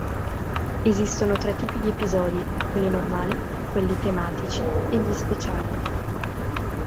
Esistono tre tipi di episodi: quelli normali, quelli tematici e gli speciali.